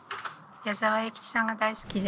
矢沢永吉さんが大好きで。